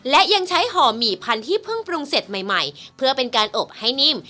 และยังใช้ห่อหมี่พันธุ์ที่เพิ่งปรุงเสร็จใหม่เพื่อเป็นการอบให้นิ่ม